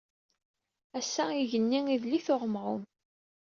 Ass-a, igenni idel-it uɣemɣum.